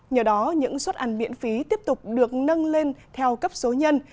nhờ đó những suất ăn miễn phí tiếp tục được nâng lên theo cấp số nhân